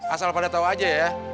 asal pada tau aja ya